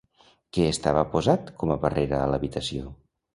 Què estava posat com a barrera a l'habitació?